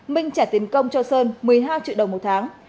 minh trả tiền công cho sơn một mươi hai triệu đồng một tháng